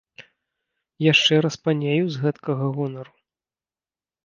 Яшчэ распанею з гэткага гонару.